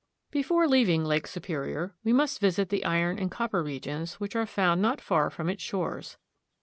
BEFORE leaving Lake Superior, we must visit the iron and copper regions which are found not far from its shores.